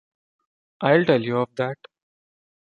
I will tell you of that!